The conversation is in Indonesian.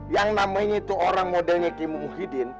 yang namanya itu orang modelnya kim mungu hidin